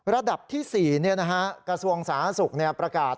ระดับที่๔กระทรวงสาธารณสุขประกาศ